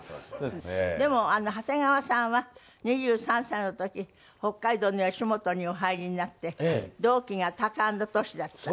でも長谷川さんは２３歳の時北海道の吉本にお入りになって同期がタカアンドトシだった。